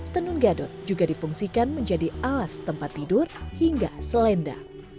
tenun gadot juga difungsikan menjadi alas tempat tidur hingga selenda